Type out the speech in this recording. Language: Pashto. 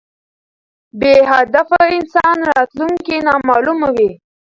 بی هدف انسان راتلونکي نامعلومه وي